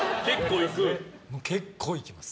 結構行きます。